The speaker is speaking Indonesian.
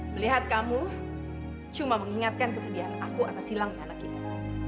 melihat kamu cuma mengingatkan kesediaan aku atas hilangnya anak kita